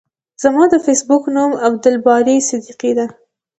زما د فیسبوک نوم عبدالباری صدیقی ده.